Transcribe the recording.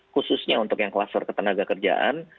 khususnya untuk yang kluster ketenaga kerjaan